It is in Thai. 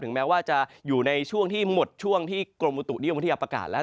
ถึงแม้ว่าจะอยู่ในช่วงที่หมดช่วงที่กรมบุตุที่อับประกาศแล้ว